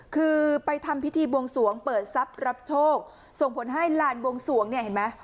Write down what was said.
คือไปทำพิธีบวงสวงเปิดทรัพย์รับโชคส่งผลให้ลานบวงสวงเนี่ยเห็นไหม